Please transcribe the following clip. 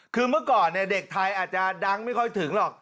คือเมื่อก่อนเด็กไทยอาจจะดังไม่ค่อยถึงหรอก